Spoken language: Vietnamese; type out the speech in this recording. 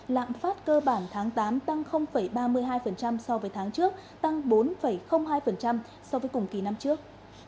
lạm phát cơ bản tháng tám tăng ba mươi hai so với tháng trước tăng bốn hai so với cùng kỳ năm trước